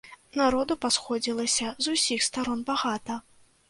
Народу пасходзілася з усіх старон багата.